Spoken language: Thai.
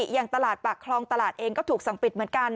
อย่างตลาดปากคลองตลาดเองก็ถูกสั่งปิดเหมือนกัน